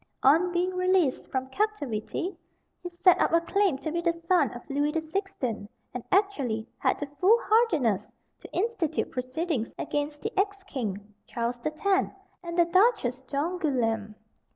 On being released from captivity he set up a claim to be the son of Louis the Sixteenth, and actually had the foolhardiness to institute proceedings against the ex king, Charles the Tenth, and the Duchess d'Angoulême.